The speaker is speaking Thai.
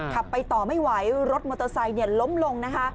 ขับไปต่อไม่ไหวรถมอเตอร์ไซค์ล้มลงนะคะ